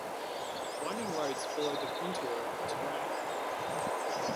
Winding roads followed the contour of the terrain.